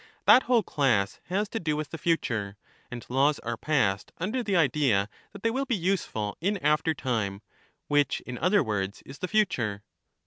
That whole class soceatbs, has to do with the future, and laws are passed under the idea thbodoeus. that they will be useful in after time ; which, in other words, i» «^^«7 is the future.